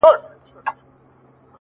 دي مــــړ ســي؛